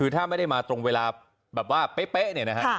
ถ้าไม่ได้มาตรงเวลาแบบว่าเป๊ะเนี่ยนะฮะ